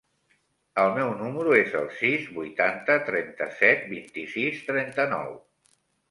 El meu número es el sis, vuitanta, trenta-set, vint-i-sis, trenta-nou.